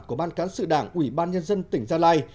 của ban cán sự đảng ủy ban nhân dân tỉnh gia lai